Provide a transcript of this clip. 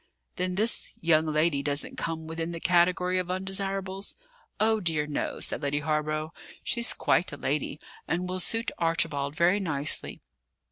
"Then this young lady doesn't come within the category of undesirables?" "Oh, dear, no," said Lady Hawborough. "She's quite a lady and will suit Archibald very nicely.